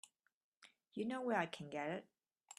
You know where I can get it?